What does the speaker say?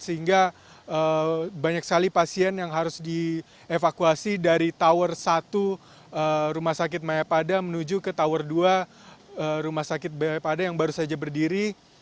sehingga banyak sekali pasien yang harus dievakuasi dari tower satu rumah sakit mayapada menuju ke tower dua rumah sakit mayapada yang baru saja berdiri